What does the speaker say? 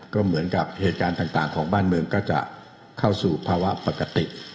ก็เหมือนกับเหตุการณ์ต่างของบ้านเมืองก็จะเข้าสู่ภาวะปกติ